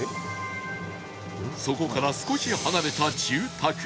そこから少し離れた住宅街